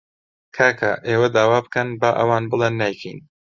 کاکە ئێوە داوا بکەن، با ئەوان بڵێن نایکەین